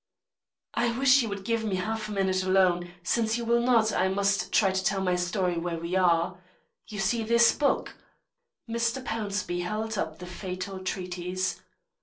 "I wish you would give me half a minute alone; but, since you will not, I must try to tell my story where we are. You see this book?" Mr. Pownceby held up the fatal treatise.